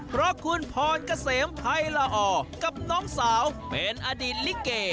เพราะคุณพรเกษมภัยละอกับน้องสาวเป็นอดีตลิเก